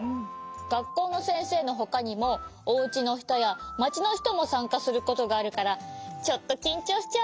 がっこうのせんせいのほかにもおうちのひとやまちのひともさんかすることがあるからちょっときんちょうしちゃうなあ。